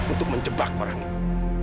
untuk menjebak orang itu